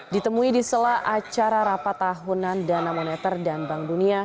ditemui di sela acara rapat tahunan dana moneter dan bank dunia